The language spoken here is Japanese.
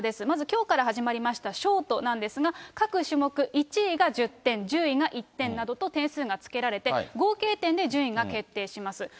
まず、きょうから始まりましたショートなんですが、各種目、１位が１０点、１０位が１点などと点数がつけられて、合計点で順位が決定します。